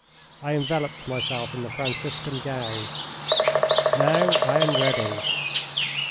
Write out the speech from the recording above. I enveloped myself in the Franciscan gown. "Now I am ready."